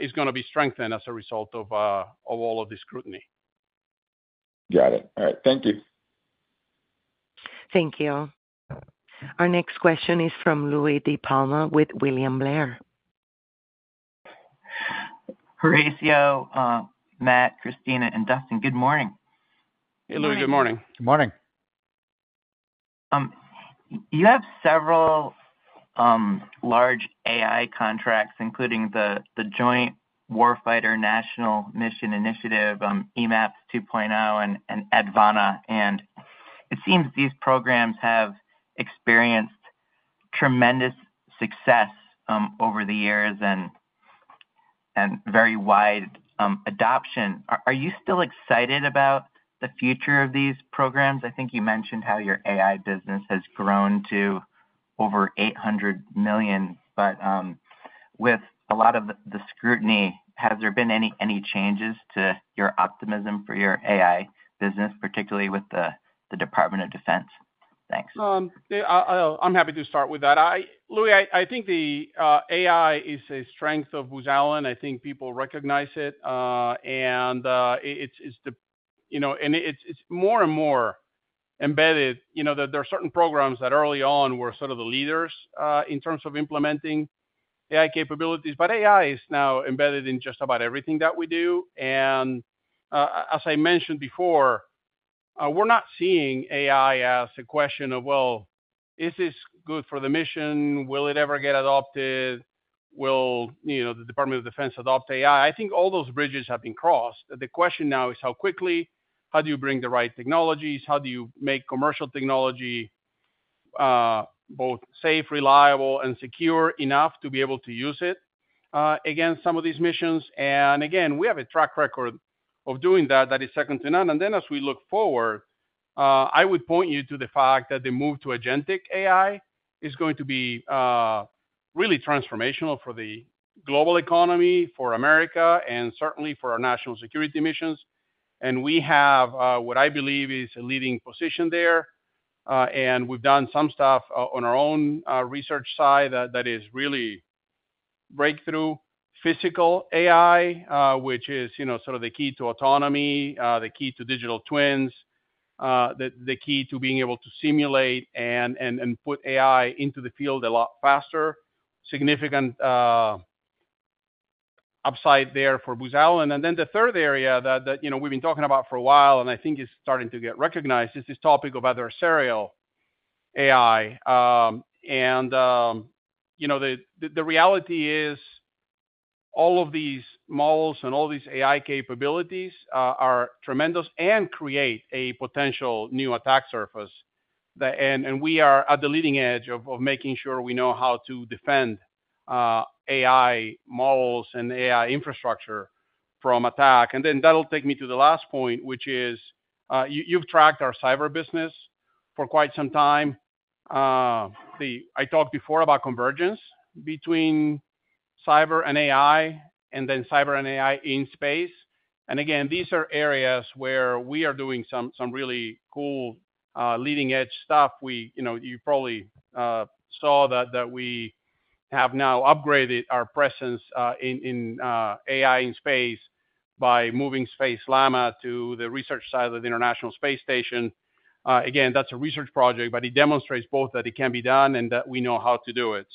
is going to be strengthened as a result of all of this scrutiny. Got it. All right. Thank you. Thank you. Our next question is from Louie DiPalma with William Blair. Horacio, Matt, Kristine, and Dustin, good morning. Hey, Louie. Good morning. Good morning. You have several large AI contracts, including the Joint Warfighter National Mission Initiative, EMAPS 2.0, and EDVANA. It seems these programs have experienced tremendous success over the years and very wide adoption. Are you still excited about the future of these programs? I think you mentioned how your AI business has grown to over $800 million. With a lot of the scrutiny, has there been any changes to your optimism for your AI business, particularly with the Department of Defense? Thanks. I'm happy to start with that. Louis, I think the AI is a strength of Booz Allen. I think people recognize it. It's more and more embedded. There are certain programs that early on were sort of the leaders in terms of implementing AI capabilities. AI is now embedded in just about everything that we do. As I mentioned before, we're not seeing AI as a question of, "Is this good for the mission? Will it ever get adopted? Will the Department of Defense adopt AI?" I think all those bridges have been crossed. The question now is how quickly, how do you bring the right technologies? How do you make commercial technology both safe, reliable, and secure enough to be able to use it against some of these missions? We have a track record of doing that. That is second to none. As we look forward, I would point you to the fact that the move to agentic AI is going to be really transformational for the global economy, for America, and certainly for our national security missions. We have what I believe is a leading position there. We have done some stuff on our own research side that is really breakthrough physical AI, which is sort of the key to autonomy, the key to digital twins, the key to being able to simulate and put AI into the field a lot faster. Significant upside there for Booz Allen. The third area that we've been talking about for a while and I think is starting to get recognized is this topic of adversarial AI. The reality is all of these models and all these AI capabilities are tremendous and create a potential new attack surface. We are at the leading edge of making sure we know how to defend AI models and AI infrastructure from attack. That'll take me to the last point, which is you've tracked our cyber business for quite some time. I talked before about convergence between cyber and AI and then cyber and AI in space. These are areas where we are doing some really cool leading-edge stuff. You probably saw that we have now upgraded our presence in AI in space by moving Space Llama to the research side of the International Space Station. Again, that's a research project, but it demonstrates both that it can be done and that we know how to do it.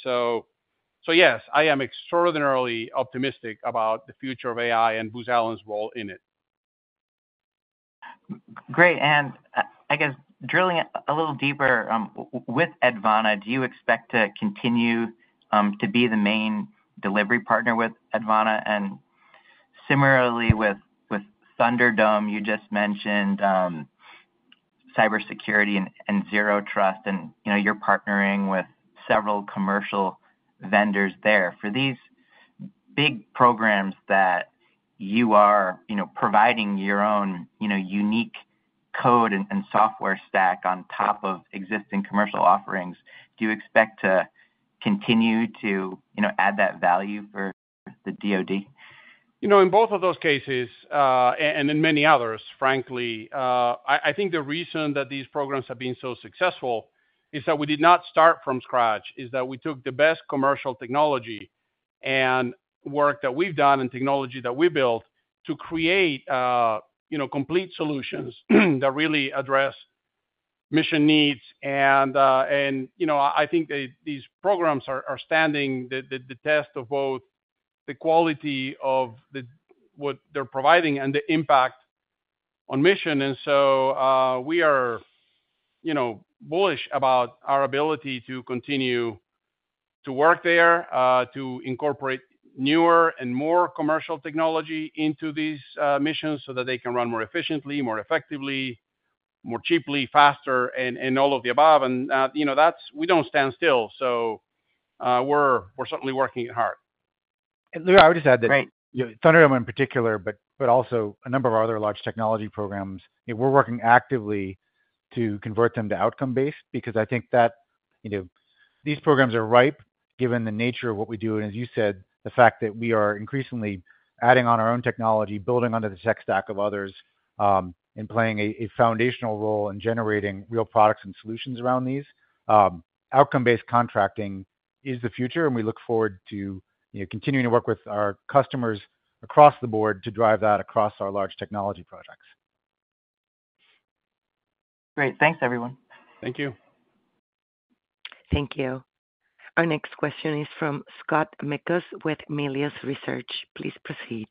Yes, I am extraordinarily optimistic about the future of AI and Booz Allen's role in it. Great. I guess drilling a little deeper, with EDVANA, do you expect to continue to be the main delivery partner with EDVANA? Similarly with ThunderDome, you just mentioned cybersecurity and zero trust, and you're partnering with several commercial vendors there. For these big programs that you are providing your own unique code and software stack on top of existing commercial offerings, do you expect to continue to add that value for the DoD? In both of those cases and in many others, frankly, I think the reason that these programs have been so successful is that we did not start from scratch, is that we took the best commercial technology and work that we've done and technology that we built to create complete solutions that really address mission needs. I think these programs are standing the test of both the quality of what they're providing and the impact on mission. We are bullish about our ability to continue to work there, to incorporate newer and more commercial technology into these missions so that they can run more efficiently, more effectively, more cheaply, faster, and all of the above. We don't stand still. We're certainly working hard. Louie, I would just add that ThunderDome in particular, but also a number of our other large technology programs, we're working actively to convert them to outcome-based because I think that these programs are ripe given the nature of what we do. As you said, the fact that we are increasingly adding on our own technology, building onto the tech stack of others, and playing a foundational role in generating real products and solutions around these. Outcome-based contracting is the future, and we look forward to continuing to work with our customers across the board to drive that across our large technology projects. Great. Thanks, everyone. Thank you. Thank you. Our next question is from Scott Mikus with Melius Research. Please proceed.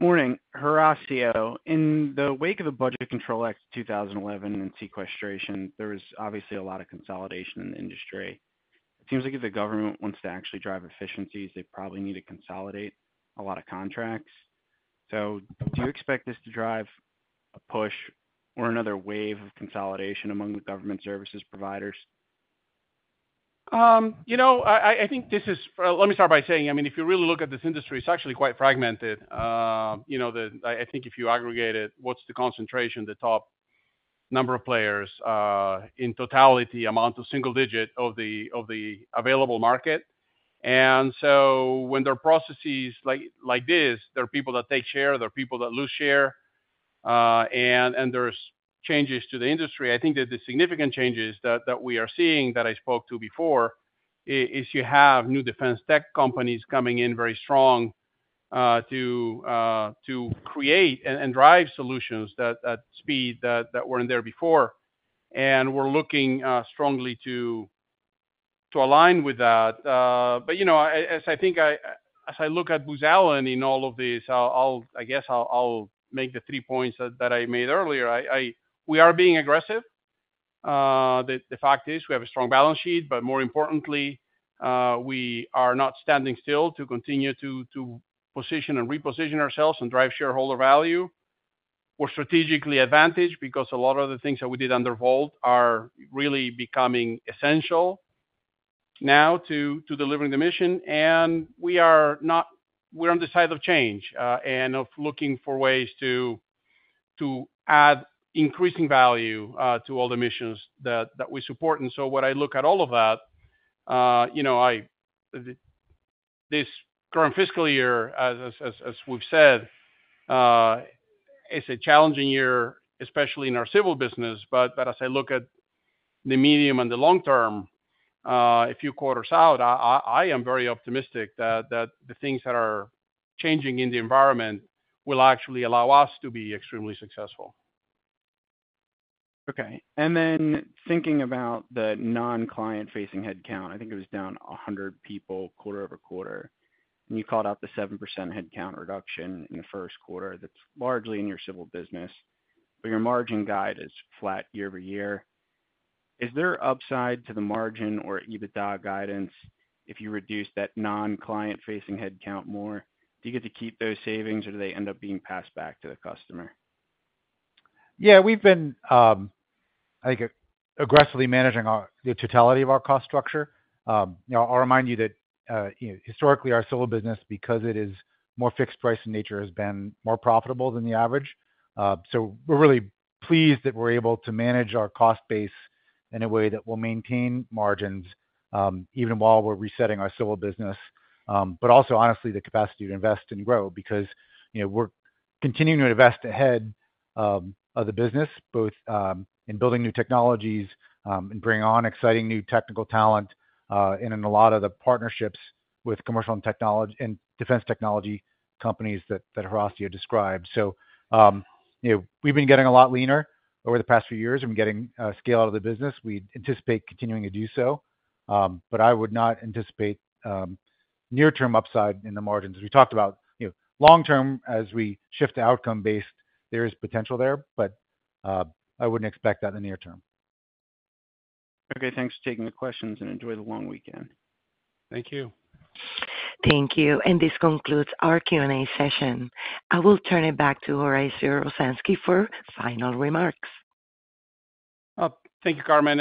Morning, Horacio. In the wake of the Budget Control Act 2011 and sequestration, there was obviously a lot of consolidation in the industry. It seems like if the government wants to actually drive efficiencies, they probably need to consolidate a lot of contracts. Do you expect this to drive a push or another wave of consolidation among the government services providers? I think this is, let me start by saying, I mean, if you really look at this industry, it's actually quite fragmented. I think if you aggregate it, what's the concentration, the top number of players in totality, amount of single digit of the available market? When there are processes like this, there are people that take share. There are people that lose share. There are changes to the industry. I think that the significant changes that we are seeing that I spoke to before is you have new defense tech companies coming in very strong to create and drive solutions at speed that weren't there before. We're looking strongly to align with that. As I look at Booz Allen in all of this, I guess I'll make the three points that I made earlier. We are being aggressive. The fact is we have a strong balance sheet, but more importantly, we are not standing still to continue to position and reposition ourselves and drive shareholder value. We're strategically advantaged because a lot of the things that we did under VOLT are really becoming essential now to delivering the mission. We are on the side of change and of looking for ways to add increasing value to all the missions that we support. When I look at all of that, this current fiscal year, as we've said, is a challenging year, especially in our civil business. As I look at the medium and the long term, a few quarters out, I am very optimistic that the things that are changing in the environment will actually allow us to be extremely successful. Okay. Thinking about the non-client-facing headcount, I think it was down 100 people quarter over quarter. You called out the 7% headcount reduction in the first quarter. That is largely in your civil business. Your margin guide is flat year over year. Is there upside to the margin or EBITDA guidance if you reduce that non-client-facing headcount more? Do you get to keep those savings, or do they end up being passed back to the customer? Yeah, we have been, I think, aggressively managing the totality of our cost structure. I'll remind you that historically, our civil business, because it is more fixed price in nature, has been more profitable than the average. We're really pleased that we're able to manage our cost base in a way that will maintain margins even while we're resetting our civil business, but also, honestly, the capacity to invest and grow because we're continuing to invest ahead of the business, both in building new technologies and bringing on exciting new technical talent in a lot of the partnerships with commercial and defense technology companies that Horacio described. We've been getting a lot leaner over the past few years. We've been getting scale out of the business. We anticipate continuing to do so. I would not anticipate near-term upside in the margins. We talked about long-term as we shift to outcome-based. There is potential there, but I wouldn't expect that in the near term. Okay. Thanks for taking the questions and enjoy the long weekend. Thank you. Thank you. This concludes our Q&A session. I will turn it back to Horacio Rozanski for final remarks. Thank you, Carmen.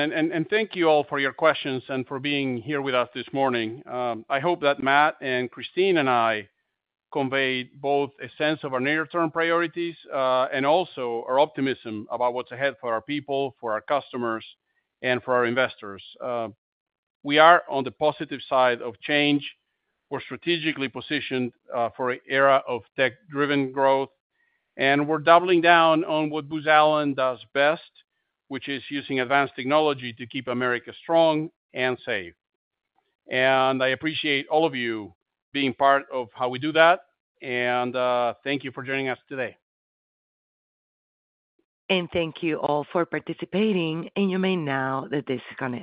Thank you all for your questions and for being here with us this morning. I hope that Matt and Kristine and I conveyed both a sense of our near-term priorities and also our optimism about what's ahead for our people, for our customers, and for our investors. We are on the positive side of change. We are strategically positioned for an era of tech-driven growth. We are doubling down on what Booz Allen does best, which is using advanced technology to keep America strong and safe. I appreciate all of you being part of how we do that. Thank you for joining us today. Thank you all for participating. You may now disconnect.